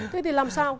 thế thì làm sao